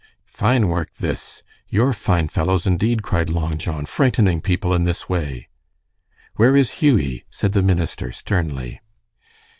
"Fine work, this. You're fine fellows, indeed," cried Long John, "frightening people in this way." "Where is Hughie?" said the minister, sternly.